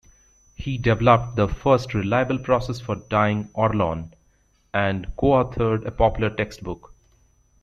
He developed the first reliable process for dyeing Orlon and coauthored a popular textbook.